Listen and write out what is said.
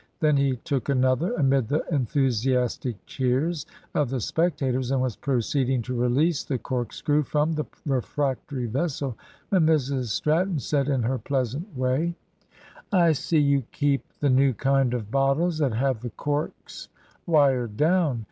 Then he took another, amid the enthusiastic cheers of the spectators, and was proceeding to release the corkscrew from the refractory vessel, when Mrs Stratton said in her pleasant way "I see you keep the new kind of bottles that have the corks wired down.